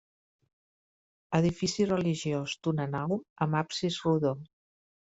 Edifici religiós d'una nau amb absis rodó.